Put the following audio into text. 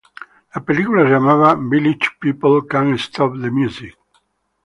La película se llamaba Village People Can't Stop the Music.